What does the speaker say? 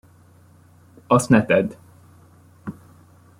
Azt ne tedd!